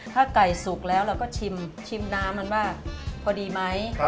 ถ้าไก่สุกแล้วเราก็ชิมน้ำมันว่าพอดีไหม